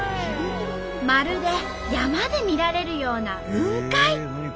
まるで山で見られるような雲海。